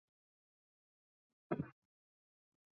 韩叙毕业于燕京大学。